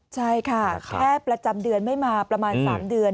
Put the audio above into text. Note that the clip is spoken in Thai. ใช่ค่ะแค่ประจำเดือนไม่มาประมาณ๓เดือน